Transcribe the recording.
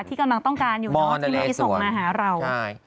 ที่กำลังต้องการอยู่เนาะที่ไม่ได้ส่งมาหาเรา